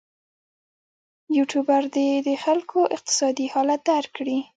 یوټوبر دې د خلکو اقتصادي حالت درک کړي.